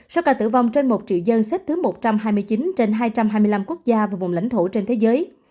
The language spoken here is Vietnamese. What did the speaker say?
số ca tử vong trên một triệu dân xếp thứ một trăm hai mươi chín trên hai trăm hai mươi năm quốc gia và vùng lãnh thổ trên thế giới